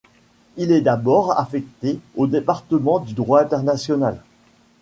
Il est d'abord affecté au département du droit international.